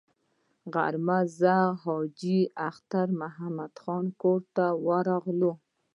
غرمه زه او حاجي اختر محمد خان کور ته ورغلو.